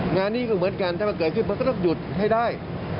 งานนี้ก็เหมือนกันถ้ามันเกิดขึ้นมันก็ต้องหยุดให้ได้